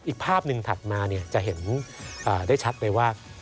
อีกภาพหนึ่งถัดมาจะเห็นได้ชัดไปว่า